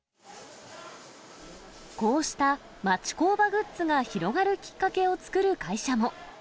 こうした町工場グッズが広がるきっかけを作る会社も。